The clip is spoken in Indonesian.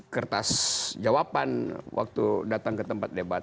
kertas jawaban waktu datang ke tempat debat